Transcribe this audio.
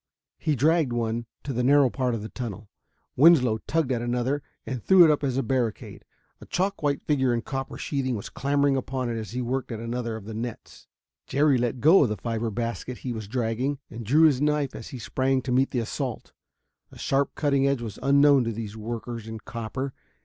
He dragged one to the narrow part of the tunnel. Winslow tugged at another and threw it up as a barricade. A chalk white figure in copper sheathing was clambering upon it as he worked at another of the nets. Jerry let go the fiber basket he was dragging and drew his knife as he sprang to meet the assault. A sharp cutting edge was unknown to these workers in copper.